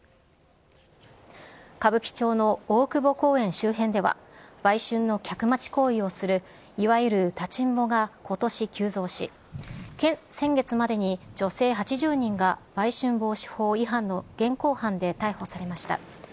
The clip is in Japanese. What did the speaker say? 歌舞伎町の大久保公園周辺では、売春の客待ち行為をするいわゆる立ちんぼがことし急増し、先月までに女性８０人が売春防止法違反の現行犯で逮捕されました。